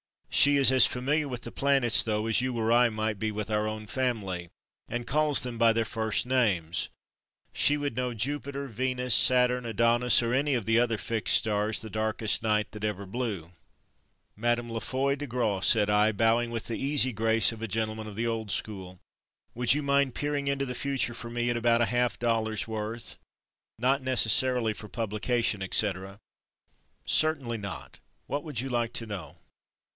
She is as familiar with planets though as you or I might be with our own family, and calls them by their first names. She would know Jupiter, Venus, Saturn, Adonis or any of the other fixed stars the darkest night that ever blew. "Mme. La Foy De Graw," said I, bowing with the easy grace of a gentleman of the old school, "would you mind peering into the future for me about a half dollar's worth, not necessarily for publication, et cetera." "Certainly not. What would you like to know?"